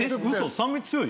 酸味強い？